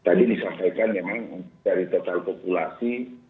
tadi disampaikan memang dari total populasi